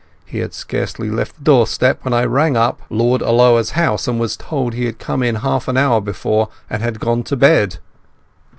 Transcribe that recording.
He had scarcely left the doorstep when I rang up Lord Alloa's house and was told he had come in half an hour before and had gone to bed."